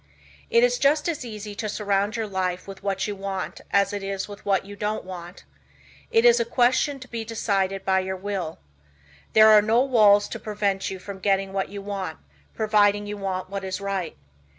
It is just as easy to surround your life with what you want as it is with what you don't want. It is a question to be decided by your will. There are no walls to prevent you from getting what you want, providing you want what is right.